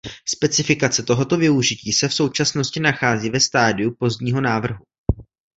Specifikace tohoto využití se v současnosti nachází ve stádiu pozdního návrhu.